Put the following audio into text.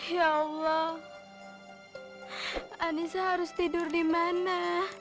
ya allah anissa harus tidur di mana